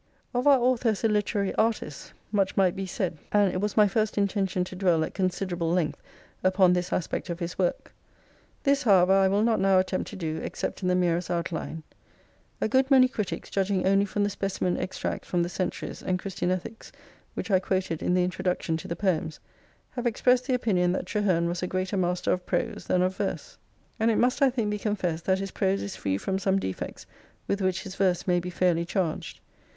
Of our author as a literary artist much might be said ; and it was my first intention to dwell at considerable length upon this aspect of his work. This, however, I will not now attempt to do, except in the merest out line. A good many critics, judging only from the specimen extracts from the " Centuries " and " Christian Ethicks," which I quoted in the Introduction to the poems, have expressed the opinion that Traherne was a greater master of prose than of verse : and it XXV must, I think, be confessed that his prose is free from some defects with which his verse may be fairly charged.